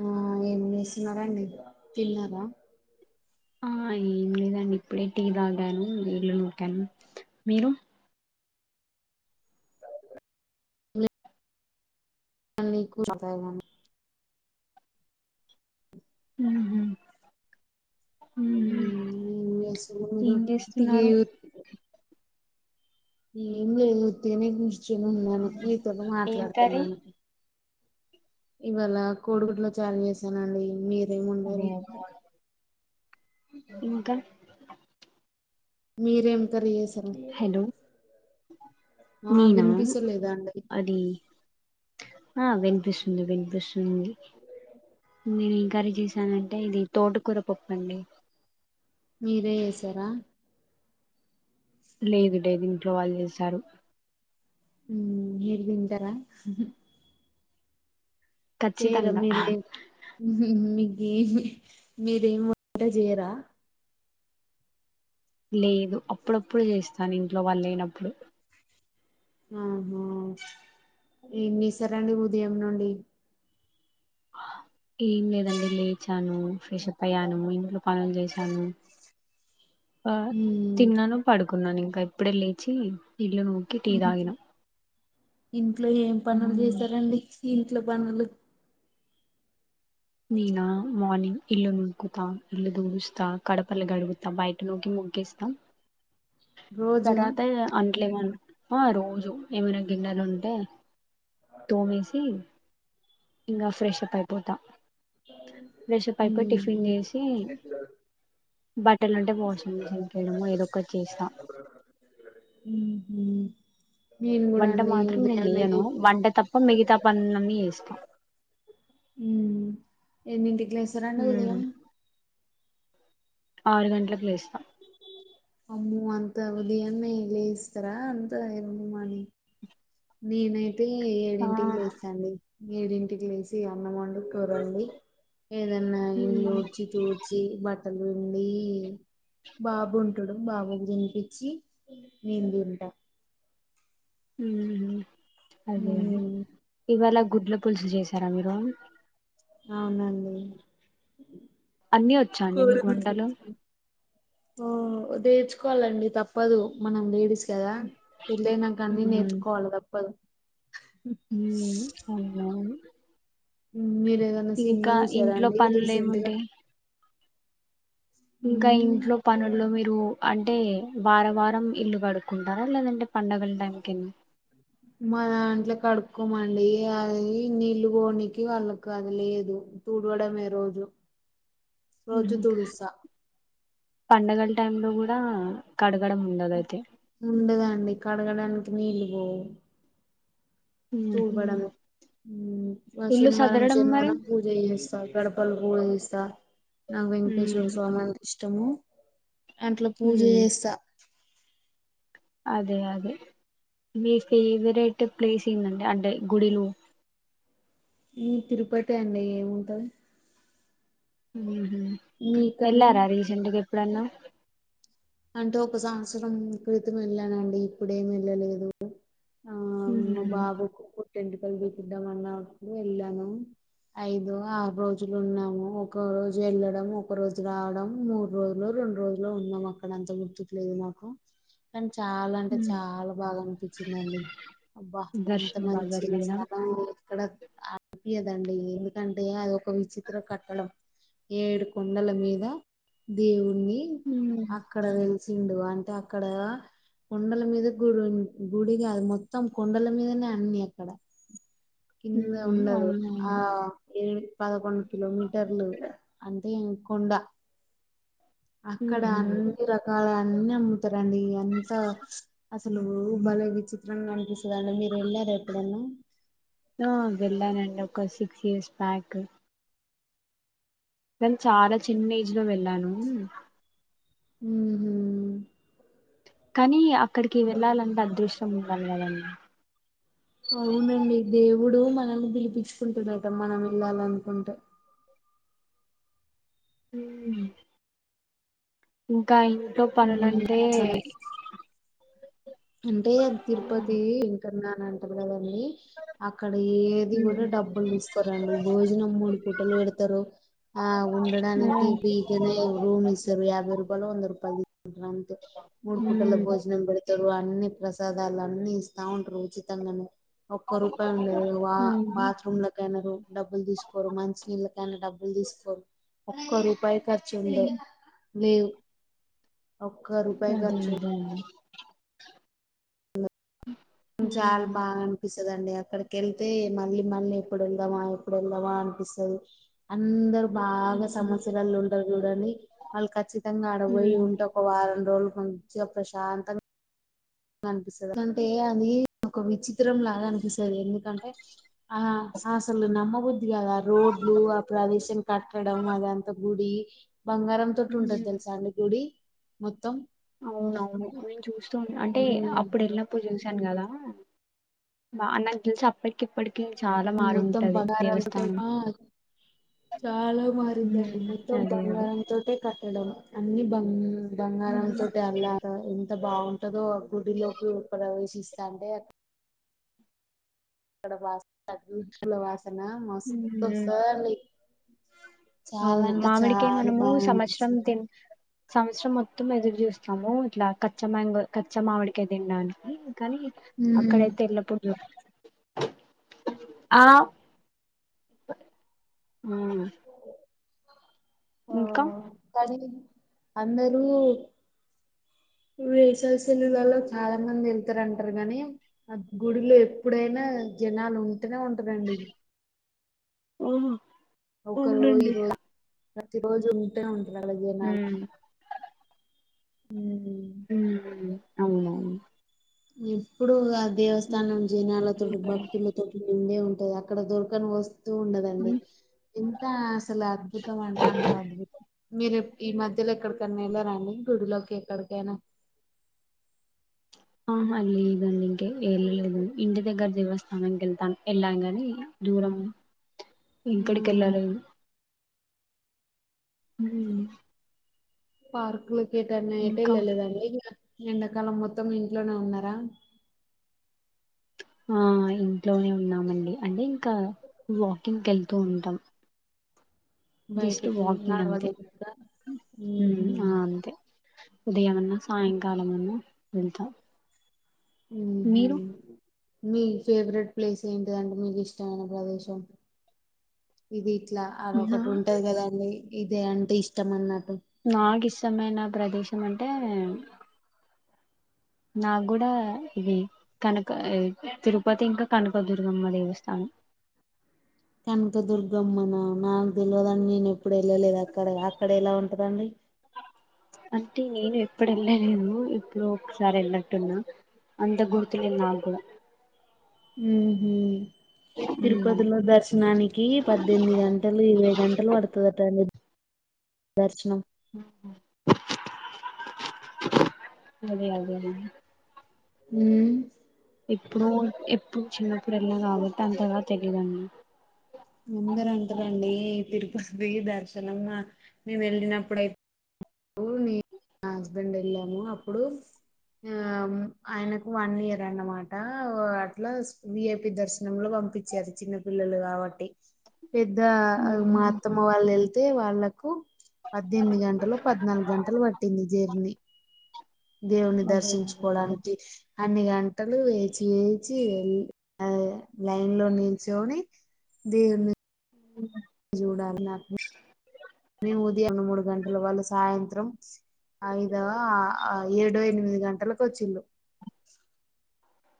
ఆ ఏం చేస్తున్నారా అండి తిన్నారా ఆ ఏం లేదండి ఇప్పుడే టీ తాగాను వీళ్ళ నొకాను మీరు [unintelligible] హూ హూ హుమ్ ఏం ఏం చేస్తున్నారు [unintelligible] ఏం లేదు ఉత్తిగ నే చూస్ చీను ఉన్నాను మీతో ఏం కర్రీ మాట్లాడుతున్నాను ఇవాళ కో చాలా చేసానండి మీరు ఏం అదే వండారు అదే ఇంకా మీరేం తరి చేస్ హలో ఆ నేనా వినిపిస్త లేదా అండి అది ఆ వినిపిస్తుంది వినిపిస్ ఉంది ఊ మ్ కర్రీ చేసానంటే ఇది తోటకూర పప్పు అండి మీరే ఏసారా లేదు లేదు ఇంట్లో వాళ్ళు చేశారు హు మ్ మీరు తింటారా చేయరా ఖచ్చితంగా మీరు ఏఏం మీగేమి మీరు ఏం వంట చేయరా లేదు అప్పుడప్పుడు చేస్తాను ఇంట్లో వాళ్ళు లేనప్పుడు ఆహ ఏం చేసారండి ఉదయం నుండి ఏం లేదండి లేచాను ఫ్రెష్ అప్ అయ్యాను ఇంట్లో పనులు చేసాను ఆ ఉమ్ తిన్నాను పడుకున్నాను ఇం కా ఇప్పుడే లేచి ఇల్లు నూకి టీ తాగిన ఇంట్లో ఏం పనులు మ్మ్. చేస్తారండి ఇంట్లో పనులు నేనా మార్నింగ్ ఇల్లు నూక్కుతా ఇల్లు తూడుస్తా కడపలు గడుగుతా బయట నూకి మొగ్గేస్తా రోజు తర్వాత అంట్లు ఏమన ఆ రోజు ఏమైనా గిన్నెలు ఉంటే తోమేసి ఇంగా ఫ్రెష్ అప్ అయిపోతా ఫ్రెష్ అప్ అయిపోయి ఉమ్ టిఫిన్ చేసి బట్టలు ఉంటే వాషింగ్ మిషన్ కి వేయడం మో ఏదో ఒకటి చేస్తా హూ మ్ వంట మాత్రం నేను చెయ్యను వంట తప్ప మిగతా పనులన్నీ చేస్తా ఉమ్ ఎన్నటి లేస్తారండి మ్మ్. ఉదయం ఆరు గంటల కి లేస్తా అవును అంత ఉదయాన్నే లేస్తారా అంత ఎర్లీ మార్నింగ్ ని [unintelligible] ఆ ఏడింటికి లేస్తాండి ఎడింటికి లేసి అన్నవండు కూర వండి ఏదన్నా ఉమ్ ఇల్ళడ్చి తూడ్చి బట్ట అలుడి [inaudible] బాబు ఉంటడు బాబు తినిపించి నేను తింటా హ్మ్ హు అదే అదే మ్మ్ ఇవల గుడ్ల పులుసు చేసారా మీరు అవునండి అన్నీ వచ్చాండి మీకు కూరలు వంటలు తెచ్చుకో- ఓ తెేర్చుకోవాలండి తప్పదు మనం లేడీస్ కదా పెళ్లి అయినాక అన్ని నేర్చుకోవాలి తప్పదు హ్మ్ అవునువును మీరు ఏదన్నా సినిమా ఇంట్లో చూసారాడి పనులు రీసెంట్ గా ఏముంటాయి ఇంకా మ్మ్ ఇంట్లో పనుల్లో మీ మీరు అంటే వారం వారం ఇల్లు కడుక్కుంటారా లేదంటే పండగల టైంకేన మా దాంట్లో కడుక్కోమండి అది నీళ్లు పొనికి వాళ్ళకి అది లేదు తుడవడమే రోజు రోజు ఉహు తుడుస్తా పండగల టైం లో కూడా కడ్ కడగం ఉండదైతే అండి కడగడానికి నీళ్లు పోవు ఉహు తూడ్వాడమే ఇల్లు శనివారం సదరడం మరి శనివారం పూజ చేస్తా గడపలు పూజిస్ స్త నాకు ఉమ్ వెంకటేశ్వర్ స్వామంటే ఇష్టము అంట్లో పూజ ఉమ్ చేస్తా అదే అదే మీ ఫేవరేట్ ప్లేసెంద్దాండి అంటే గుడిలో ఈ తిరుపతి అండి ఏముంటది హ్మ్ హు మీకండి ఎలారా రీసేంట్గా ఎప్పుడన్నా అంటే ఒక సంవత్సరం క్రితం వెళ్ళానండి ఇప్పుడేమి వెళ్ళలేదు ఆ మా ఉహు బాబుకు పుట్ట్ ఎంట్రీకలు తీపిదాం అన్నప్పుడు వెళ్ళాము ఐదు ఆరు రోజులు ఉన్నాము ఒక రోజు వెళ్ళడం ఒక రోజు రావడం మూడు రోజులు రెండు రోజులో ఉన్నాము అ అక్కడ అంత గుర్తుకు లేదు నాకు అం చాలా అంటే హ్మ్ చాలా బాగా అనిపించిందండి అబ్బా అంత దర్శనం బాగా మంచి జరిగిందా స్థలం ఇక్కడ ఆడిపియదండి ఎందుకంటే అది ఒక విచిత్ర కట్టడం ఏడు కొండల మీద దేవున్నీ కి ఉమ్ అక్కడ వెలిసిండు టే అక్కడ కొండల మీద గుడి గుడి కాదు మొత్తం కొండల మీదనే అన్ని అక్కడ కింద ఉండదు అవునవును ఆ ఏడు పదకొండు కిలోమీటర్లు అంటే కొండ అక్కడ ఉహు అన్ని రకాల అన్ని అమ్ముతారండి అంత అసలు భలే విచిత్రంగనిపిస్ రండి మీరు వెళ్ళారు ఎప్పుడన్నా ఆ వెళ్లానండి ఒక్క స త్రీ ఇయర్స్ బ్యాక్ నేను చాలా చిన్న ఏజ్ లో వెళ్ళాను హ్మ్ హు కానీ అ ఇక్కడికి వెల్లాలంటే అదృష్టం ఉండాలి కదండీ అవునండి దేవుడు మనల్ని పిలిపించుకుంటుడట మనం వెళ్ళాలనుకుంటె ఇంకా య ఇంట్లో ఉమ్, పనులంటె సరే. అంటే తిరుపతీ తిరునంతపురం ఎల్లి అక్ అక్కడ ఏది కూడ డబ్బులు తీసుకోరండి భోజనం కూడా ఎం వెడతారు ఆ ఉండడానికి ఉమ్ పికనె రూమ్ ఇస్తారు యాభై రూపాయలు వంద రూపాయలది రన్ మూడు పూటల ఉమ్ భోజనం పెడతర్ అన్ని ప్రసాదాలు అన్ని ఇస్తా ఉంటారు ఉచితంగానె ఒక్క రూపాయి ఉండదు వా ఉమ్ బాత్రూమ్లకైనా రూ డబ్బులు తీసుకోరు మంచినీళ్ళకైనా డబ్బులు తీసుకోరు ఒక్క రూ పైకర్చు ఉండవ్ లేవ్ ఒక్క రూపాయి అదే ఖర్చు అదే అండి జాల భాగనిపిస్త కదండి అక్కడికి వెళ్తే మల్లి మల్లి ఎప్పుడు వెళ్దామా ఎప్పుడు వెళ్దామా అనిపిస్తుంది అందరు బాగా సమస్యలోళ్ళు ఉంటారు చూడండి వాళ్ళు ఖచ్చితంగా అడబోయి ఉమ్ ఉంటే ఒక వారం రోజులు మంచిగా ప్రశాంతంగా అనిపిస్తుంది అంటే అది ఒక విచి తిరం లాగ అనిపిస్తుంది ఎందుకంటే ఆ సాసలు నమ్మబుద్ధి కాదు రోడ్లు ఆ ప్రదేశం కట్టడం అదంతా గుడి బంగారం తోటి ఉంటది తెలుసా అండి గుడి మొత్తం అవునవును నేను చూస అంటే ఉమ్, అప్పుడు వెల్నప్పుడు చూస చన్ కదా బా అ నాకు తెలిసి అప్పటికి ఇప్పటికి చాలా మొత్తం మారుంటది బంగారం దేవస్థానం తొట్టెగా చాలా మారిందండి ఉమ్ మొత్తం అదే అదే బంగారంతోటె క పెట్టడం అన్ని బంగా బంగారం ఉమ్ తోటే అలా ఎంత బాగుంటందో ఆ గుడిలోకి ప్రవేశిస్తా అంటే ఇక్కడస్త వాస్త ఓకేనా మస్ ఉమ్, వస్తాదాది అవును మామిడికే మనము బాగా సంవత్సరం అనిపిస్తుంది తిన్ సంవత్సరం మొత్తం ఎదురు చూస్తాము ఇట్లా కచ్చ మ్యాంగో కచ్చా మామిడికాయ తినడానికి కానీ ఉమ్. అక్కడైతే ఎల్లప్పుడు ఆ ఆ ఇంకా కానీ అందరూ వేసవి సెలవలలో చాలా మంది వెళ్తారుంటారు కాగానీ ఆ గుడిలో ఎప్పుడైనా జనాలు ఉంటేనే ఉంటారంండి ఓహ ఒకరు ఈ రోజ ప్రతిరోజు ఉంటే ఉంట అలాగే నా ఉమ్ హుమ్ అవును ఎప్పుడు కాదు ఉమ్ దేవస్థానం జనాలతోటి భక్తులతో ఉండే ఉంటది అక్కడ దొరకని వస్తు క్యూ ఉండదండి ఉమ్, ఎంత అసలు అద్భుతం అంటే అంత అద్భుతం మీరు ఈ మధ్యలో ఎక్కడికన్నా వెళ్ళారండి గుడిలోకి ఎక్కడికైనా ఆహ్ లేద్ లేదు అండి ఇంకేల్లేదు ఇంటి దగ్గర దేవస్థాం వెళ్తాము ఏలా కానీ దూరం ఇంక్కడికి మ్మ్ వెళ్ళలేదు పార్క్ లో ఎటన్న యేటా ఇంకా ఎళ్ళ లేదా అండి ఎండాకాలం మొత్తం ఇంట్లోనే ఉన్నారా ఆ ఇంట్లోనే ఉన్నామండి అంటే ఇంకా వాకింగ్కి వెళ్తూ ఉంటాం జస్ట్ బయటికి వాకింగ్ నడవా అంతే హ్మ్ హు ఉదయంమన్న సాయంకాలం అన్నా వెళ్తా మీరు మ్మ్ మీ ఫేవరెట్ ప్లేస్ ఏంటిదంటే మీకు ఇష్టమైన ప్రదేశం ఇది ఇట్లా అది నా ఒకటి ఉంటది కదండి ఇదే అంటే ఇష్టం అన్నట్ నాకు ఇష్టం అయినా ప్రదేశ ఎమంటే నాకు కూడా ఇది కనుక తిరుపతి ఇంకా కనుకదుర్గమ్మ దేవస్థానం కనక దుర్గమ్మన నాకు తెలవదండి నేను ఎప్పుడు వెళ్ళలేదు అక్కడ అక్కడ ఎలా ఉంటదండి అంటే నేను ఎప్పుడు వెళ్ళలేదు ఇప్పుడు ఒకసారి వెళ్ళట్టున్నా అంత గుర్తులేదు నాకు హ్మ్ హు ఉమ్, తిరుపతిలో దర్శనానికి పద్దెనిమిది గంటలు ఇరవై గంటలు పడుతదంట దర్శనం అదే అదే న హ్మ్ ఎప్పుడో ఎప్పుడ చిన్నప్పుడు ఎలా కాబట్టి అంతలా తెలిదండి అందర అంటారండి తిరుపతి దర్శనం మేము వెళ్ళినప్పుడైతే నేను నా హస్బెండ్ వెళ్ళాము అప్పుడు ఆ ఆయనకు వన్ ఇయర్ అన్నమాట అట్లా విఐపి దర్శనంలో పంపించారు చిన్న పిల్లలు కాబట్టి పెద్ద ఇ మా అత్తమ వాళ్ళు వెళ్ వాళ్ళలకు పద్దెనిమిది గంటలో పద్నాలుగు గంటలు పట్టింది జర్నీ దేవుని అదే అదే దర్శించుకోవడానికి అన్ని గంటలు వేచి వేచి లైన్ లో నిల్చొని దీన్ని చూడాల నా మేము ఉదయం మూడు గంటల వాళ్ళ సాయంత్రం ఐదవ ఆ అ ఏడో ఎనిమిది గంటలకు వచ్చిళ్ళు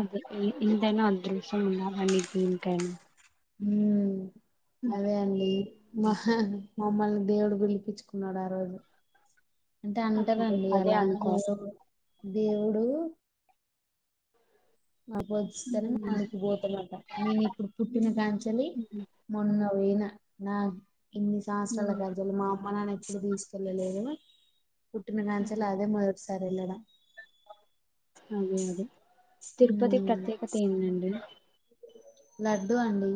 అదే ఎ ఎదైనా అదృశ్యం ఉండాలి అండి దెనికైనా మ్ అదే అండి మా మమ్మల్ని దేవుడు పిలిపించుకున్నాడు ఆ రోజు అంటే అంతే అంటారండి అదే అలా అనుకోవాలి మీరు దేవుడు మా పచ్చస్త మాణకిపోతామాట నేను ఇప్పుడు పుట్టిన కాంచలి మొన్న పోయినా నా ఇన్ని సంవసరాల కాంచాలి మా అమ్మ నాన్ ఇప్పుడు తీస్ [unintelligible] కుట్టిలగాంచ అదే మ [unintelligible] సరలడం అదే అదే తిరుపతికి ప్రత్యేకత ఏందండి లడ్డూ అండి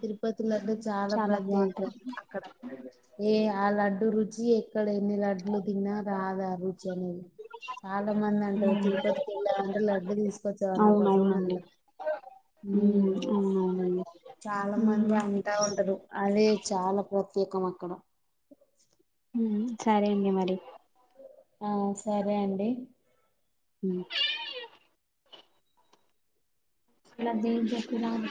తిరుపతి లడ్డు చాలా ప్రత్యేక అక్కడ ఏ ఆ లడ్డు రుచి ఎక్కడ ఎన్ని లడ్లు తిన్నా రాదా ఆ రుచి అనేది చాలా మంది అంటారు తిరుపతికి వెళ్ళామంటే లడ్డు తీసుకొచ్చావా నా కోసం అని అవునవునండి అంటారు ఉమ్, మ్ అవునవునండి చాలా మంది ఉమ్, అంటా ఉంటరు అదే చాల ప్రత్యేకం అక్కడ మ్ సరే అండి మరి ఆ సరే అండి మ్ [inaudible]